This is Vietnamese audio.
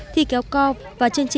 thi kéo co và chương trình